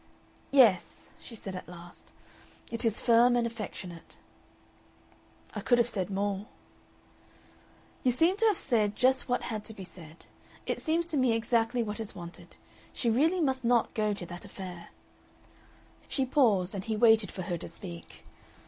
"Yes," she said at last, "it is firm and affectionate." "I could have said more." "You seem to have said just what had to be said. It seems to me exactly what is wanted. She really must not go to that affair." She paused, and he waited for her to speak.